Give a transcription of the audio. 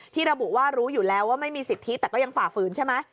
ระบุว่ารู้อยู่แล้วว่าไม่มีสิทธิแต่ก็ยังฝ่าฝืนใช่ไหม